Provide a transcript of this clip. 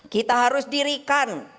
kita harus dirikan